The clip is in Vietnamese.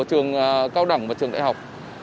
trường cao đẳng và trường đại học